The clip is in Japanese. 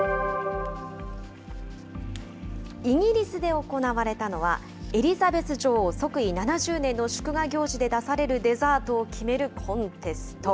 イギリスで行われたのは、エリザベス女王即位７０年の祝賀行事で出されるデザートを決めるコンテスト。